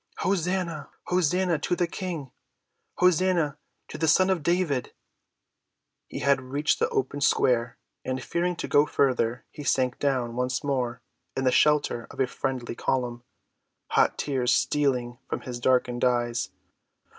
"Hosanna—Hosanna to the King! Hosanna to the Son of David!" He had reached the open square, and, fearing to go further, he sank down once more in the shelter of a friendly column, hot tears stealing from his darkened eyes.